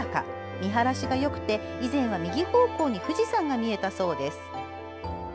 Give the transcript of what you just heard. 見晴らしがよく、以前は右方向に富士山が見えたそうです。